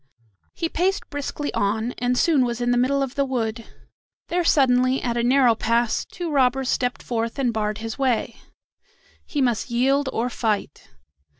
He paced briskly on, and soon was in the middle of the wood. There suddenly, at a narrow pass, two robbers stepped forth and barred his way. He must yield or fight.